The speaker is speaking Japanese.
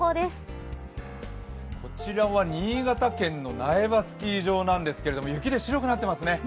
こちらは新潟県の苗場スキー場なんですけど雪で白くなっていますね。